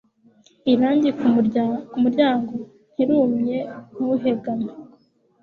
Irangi kumuryango ntirumye ntuhegame.